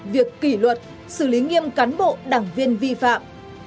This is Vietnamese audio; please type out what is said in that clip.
việc kỷ luật xử lý nghiêm cán bộ đảng viên vi phạm